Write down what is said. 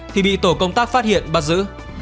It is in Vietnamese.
thì bị tổ công tác phát hiện bắt giữ